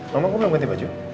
mama kok belum ganti baju